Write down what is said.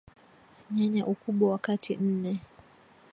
Nyanya Ukubwa wa kati nne